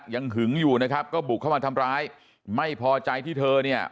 หึงอยู่นะครับก็บุกเข้ามาทำร้ายไม่พอใจที่เธอเนี่ย